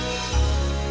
ya udah dut